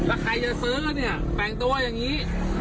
ยอดเลยแล้วใครจะเสื้อเนี่ยแปลงตัวอย่างนี้